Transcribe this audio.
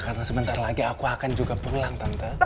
karena sebentar lagi aku akan juga pulang tante